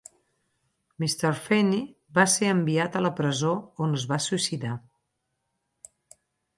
Mr. Feeny va ser enviat a la presó, on es va suïcidar.